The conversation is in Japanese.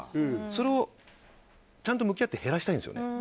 それをちゃんと向き合って減らしたいんですよ。